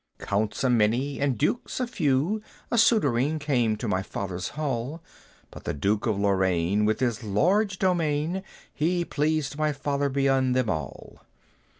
"Counts a many, and Dukes a few, A suitoring came to my father's Hall; But the Duke of Lorraine, with his large domain, He pleased my father beyond them all.